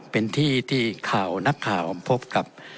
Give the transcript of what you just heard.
เป็นที่ที่ข่าวนักข่าวพบกับ